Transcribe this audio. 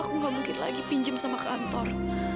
aku gak mungkin lagi pinjem sama kantor